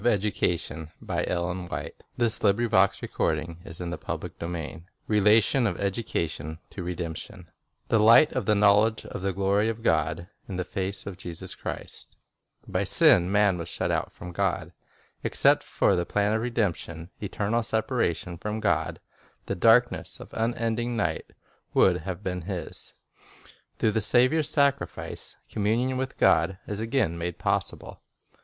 Restoration through Christ The Gospel in Nature Relation of Education to Redemption "THE LIGHT OF THE KNOWLEDGE OF THE GLORY OF GOD IN THE FACE OF JESUS CHRIST" Communion with God 7~> Y sin man was shut out from God. Except for *—* the plan of redemption, eternal separation from God, the darkness of unending night, would have been his. Through the Saviour's sacrifice, communion with God is again made possible.